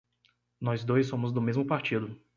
Nós dois somos do mesmo partido